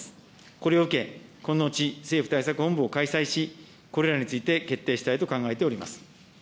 これを受け、この後、政府対策本部を開催し、これらについて決定したいと考えております。